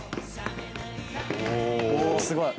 おおすごい。